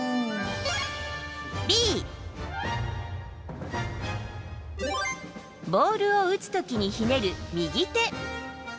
Ｂ、ボールを打つ時にひねる右手。